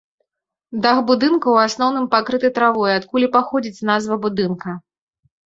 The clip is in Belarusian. Дах будынка ў асноўным пакрыты травой, адкуль і паходзіць назва будынка.